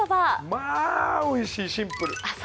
まあおいしい、シンプル。